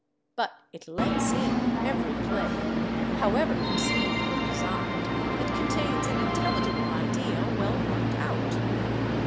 But it lets in every play, however conceived or designed, that contains an intelligible idea well worked out.